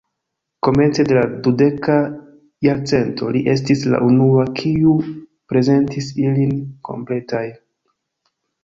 Komence de la dudeka jarcento li estis la unua, kiu prezentis ilin kompletaj.